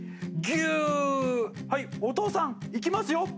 お父さんいきますよ」